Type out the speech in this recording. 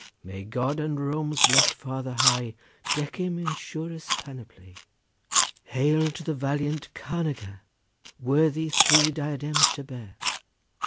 May God and Rome's blest father high Deck him in surest panoply! Hail to the valiant carnager, Worthy three diadems to bear!